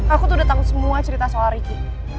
aku tuh udah tahu semua cerita soal ricky